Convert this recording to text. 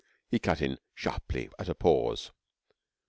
he cut in sharply at a pause.